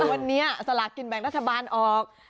วันนี้สลากกินแบ่งรัฐบาลออก